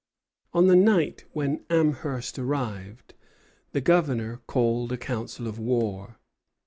On the night when Amherst arrived, the Governor called a council of war.